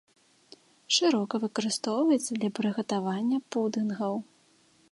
Шырока выкарыстоўваецца для прыгатавання пудынгаў.